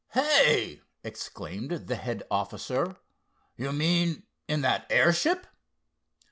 "Hey!" exclaimed the head officer—"you mean in that airship?"